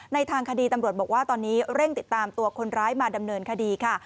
ทางคดีตำรวจบอกว่าตอนนี้เร่งติดตามตัวคนร้ายมาดำเนินคดีค่ะ